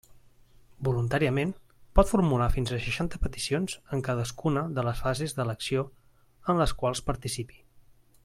Voluntàriament pot formular fins a seixanta peticions en cadascuna de les fases d'elecció en les quals participi.